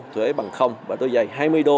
thuế bằng không và đôi giày hai mươi đô